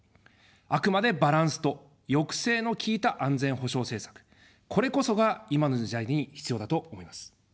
あくまでバランスと抑制の効いた安全保障政策、これこそが今の時代に必要だと思います。